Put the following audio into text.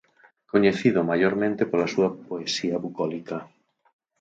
coñecido maiormente pola súa poesía bucólica.